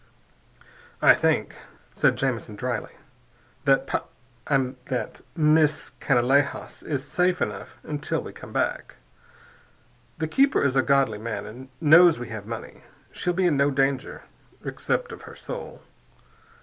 "I think," said Jamison dryly, "that Pau that Miss Canalejas is safe enough until we come back. The keeper is a godly man and knows we have money. She'll be in no danger, except of her soul.